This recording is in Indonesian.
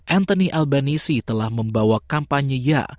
anthony albanisi telah membawa kampanye ya